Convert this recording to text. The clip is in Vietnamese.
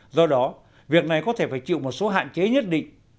do đó việc này có thể phải chịu một số hạn chế nhất định